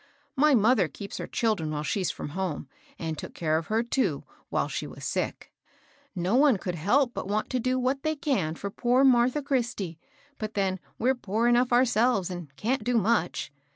My mother keeps her children while she's from h(»ne, and took care of her, too, while she was sick. No one could help but ws^it to do what they can for poor Martha Christie I but then we're poor enough ourselves, and can't do much.